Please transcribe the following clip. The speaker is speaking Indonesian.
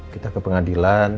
kita ke pengadilan